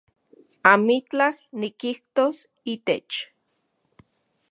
Amitlaj nikijtos itech